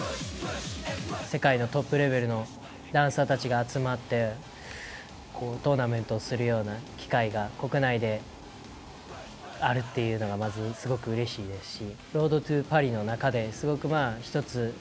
世界のトップレベルのダンサーたちが集まってトーナメントをするような機会が国内であるというのがまずうれしいですし。